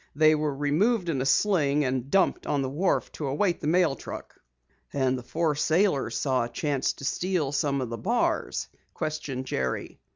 They were removed in a sling and dumped on the wharf to await the mail truck." "And the four sailors saw a chance to steal some of the bars?" questioned Jerry.